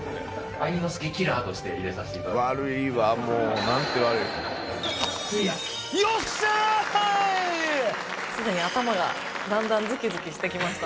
愛之助キラーとして入れさせていただきました。